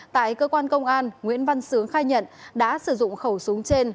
tại cơ quan công an nguyễn văn sướng khai nhận đã sử dụng khẩu súng trên